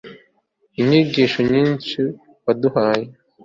inyigisho nyinshi waduhaye